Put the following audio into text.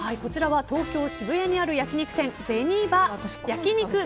こちらは東京・渋谷にある焼き肉店焼肉